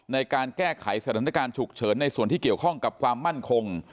ในการแก้ไขสถานการณ์ฉุกเฉินในส่วนที่เกี่ยวข้องกับความมั่นคง